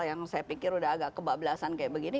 yang saya pikir udah agak kebablasan kayak begini